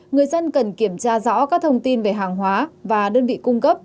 người dân cần kiểm tra rõ các thông tin về hàng hóa và đơn vị cung cấp